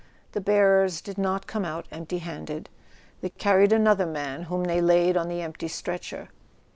The bearers did not come out empty handed; they carried another man whom they laid on the empty stretcher.